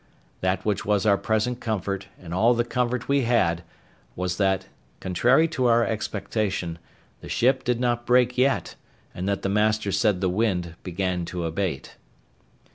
That which was our present comfort, and all the comfort we had, was that, contrary to our expectation, the ship did not break yet, and that the master said the wind began to abate.